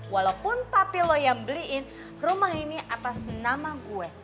walaupun tapi lo yang beliin rumah ini atas nama gue